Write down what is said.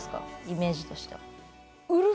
イメージとしては。